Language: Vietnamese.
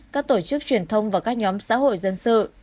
các tổ chức truyền thông và các nhóm xã hội dân sự